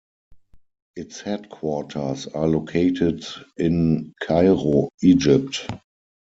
Its headquarters are located in Cairo, Egypt.